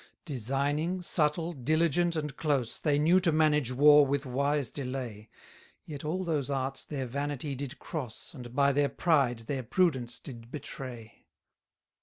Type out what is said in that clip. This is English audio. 169 Designing, subtle, diligent, and close, They knew to manage war with wise delay: Yet all those arts their vanity did cross, And by their pride their prudence did betray.